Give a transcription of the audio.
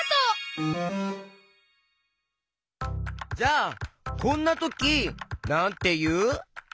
じゃあこんなときなんていう？